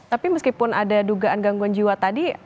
tapi meskipun ada dugaan gangguan jiwa tadi